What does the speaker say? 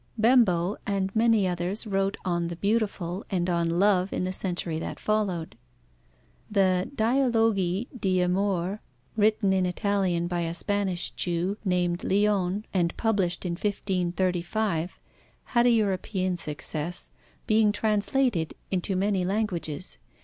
Bembo and many others wrote on the Beautiful and on Love in the century that followed. The Dialogi di Amore, written in Italian by a Spanish Jew named Leone and published in 1535, had a European success, being translated into many languages.